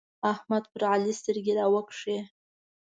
احمد پر علي سترګې راوکښې.